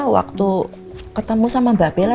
waktu ketemu sama mbak bella